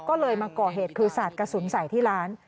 ก็เลยมาก่อเหตุคือสาดกระสุนใส่ที่ร้าน